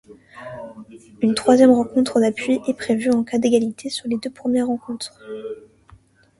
Une troisième rencontre d'appui est prévue en cas d'égalité sur les deux premières rencontres.